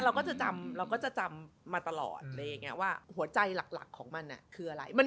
เราก็จะจำมาตลอดว่าหัวใจหลักของมันคืออะไร